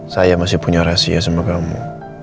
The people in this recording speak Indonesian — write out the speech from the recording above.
saya masih punya rahasia sama kamu